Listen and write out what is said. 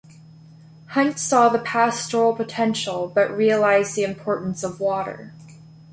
Hunt saw the pastoral potential but realised the importance of water.